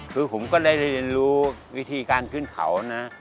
คือผมก็ได้เรียนรู้วิธีการขึ้นเขานะ